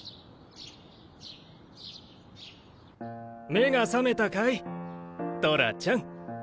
目が覚めたかいトラちゃん？